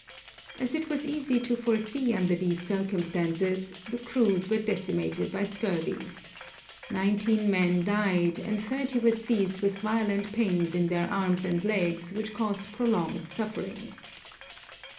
As it was easy to foresee under these circumstances, the crews were decimated by scurvy. Nineteen men died, and thirty were seized with violent pains in their arms and legs, which caused prolonged sufferings.